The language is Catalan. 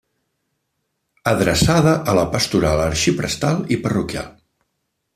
Adreçada a la pastoral arxiprestal i parroquial.